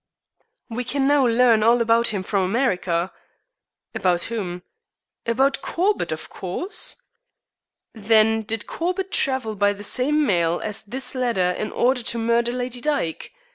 "We can now learn all about him from America." "About whom?" "About Corbett, of course." "Then did Corbett travel by the same mail as this letter in order to murder Lady Dyke?